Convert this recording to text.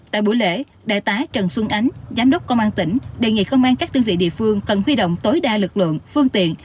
tại buổi lễ đại tá trần xuân ánh giám đốc công an tỉnh đề nghị công an các đơn vị địa phương cần huy động tối đa lực lượng phương tiện